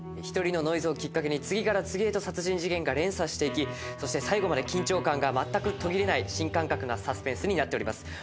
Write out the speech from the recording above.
１人のノイズをきっかけに次から次へと殺人事件が連鎖していき、最後まで緊張感が全く途切れない新感覚なサスペンスになっています。